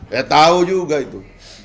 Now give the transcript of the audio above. saya tahu juga itu